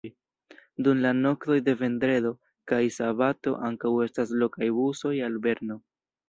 Dum la noktoj de vendredo kaj sabato ankaŭ estas lokaj busoj al Berno.